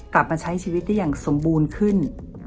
กลับมาใช้ชีวิตได้อย่างสมบูรณ์ขึ้น